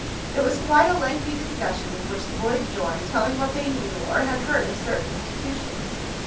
There was quite a lengthy discussion, in which the boys joined, telling what they knew, or had heard, of certain institutions.